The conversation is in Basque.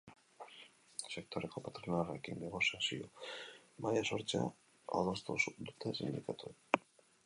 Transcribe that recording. Sektoreko patronalarekin negoziazio mahaia sortzea adostu dute sindikatuek.